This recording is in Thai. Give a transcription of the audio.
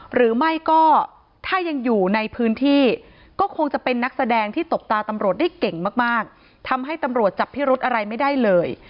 หรือไม่ก็ถ้ายังอยู่ในพื้นที่ก็คงจะเป็นนักแสดงที่ตบตาตำรวจได้เก่งมากทำให้ตำรวจจับพิรุธอะไรไม่ได้เลย